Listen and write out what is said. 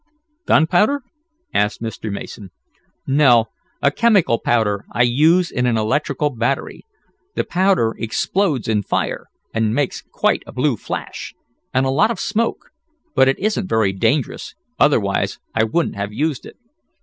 "Gunpowder?" asked Mr. Mason. "No, a chemical powder I use in an electrical battery. The powder explodes in fire, and makes quite a blue flash, and a lot of smoke, but it isn't very dangerous, otherwise I wouldn't have used it.